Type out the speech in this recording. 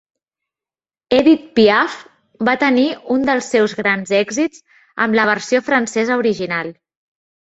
Edith Piaf va tenir un dels seus grans èxits amb la versió francesa original.